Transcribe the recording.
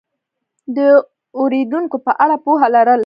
د اورېدونکو په اړه پوهه لرل